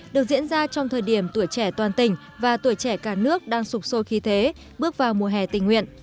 được diễn ra trong thời điểm tuổi trẻ toàn tỉnh và tuổi trẻ cả nước đang sụp sôi khi thế bước vào mùa hè tình nguyện